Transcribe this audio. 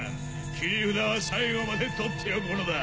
切り札は最後までとっておくものだ。